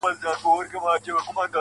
o لا به په تا پسي ژړېږمه زه.